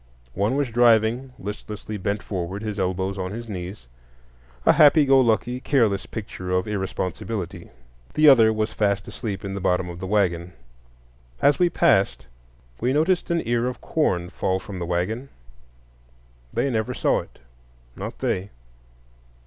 One was driving, listlessly bent forward, his elbows on his knees,—a happy go lucky, careless picture of irresponsibility. The other was fast asleep in the bottom of the wagon. As we passed we noticed an ear of corn fall from the wagon. They never saw it,—not they.